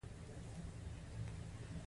د ګاندي فلسفي پوهه د روح ځواک دی.